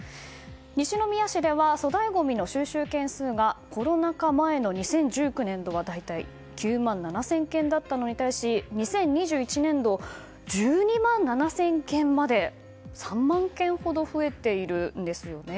西宮市では粗大ごみの収集件数がコロナ禍前の２０１９年度は大体９万７０００件だったのに対し２０２１年度は１２万７０００件まで３万件ほど増えているんです。